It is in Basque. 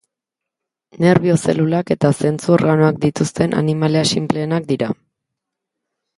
Nerbio zelulak eta zentzu organoak dituzten animalia sinpleenak dira.